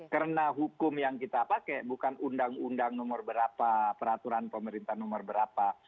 karena hukum yang kita pakai bukan undang undang nomor berapa peraturan pemerintah nomor berapa